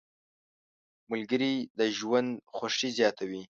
ملګري د ژوند خوښي زیاته وي.